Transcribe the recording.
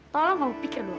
tolong kamu pikir dulu